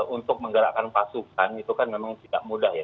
untuk menggerakkan pasukan itu kan memang tidak mudah ya